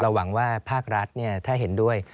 หวังว่าภาครัฐถ้าเห็นด้วย